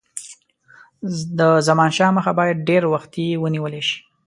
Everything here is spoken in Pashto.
د زمانشاه مخه باید ډېر وختي ونیوله شي.